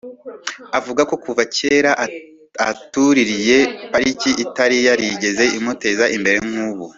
Avuga ko kuva kera atuririye pariki itari yarigeze imuteza imbere nk’ubu